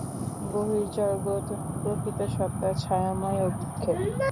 বহির্জগৎ প্রকৃত সত্তার ছায়াময় অভিক্ষেপ।